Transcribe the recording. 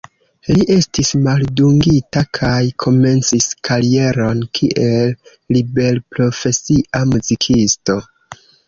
Li estis maldungita kaj komencis karieron kiel liberprofesia muzikisto.